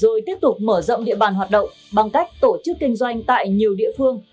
rồi tiếp tục mở rộng địa bàn hoạt động bằng cách tổ chức kinh doanh tại nhiều địa phương